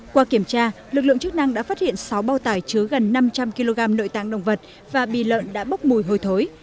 qua kiểm tra lực lượng chức năng đã phát hiện sáu bao tải chứa gần năm trăm linh kg nội tạng động vật và bì lợn đã bốc mùi hôi thối